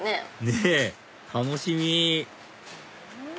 ねぇ楽しみ！